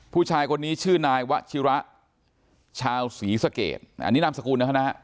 ผู้ชายคนนี้ชื่อนายวชิระชาวศรีสะเกดอันนี้นามสกุลนะฮะ